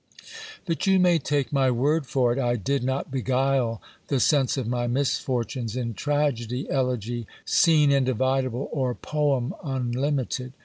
But you may take my word for it, I did not beguile the sense of my misfortunes in tragedy, elegy, scene individ able, or poem unlimited.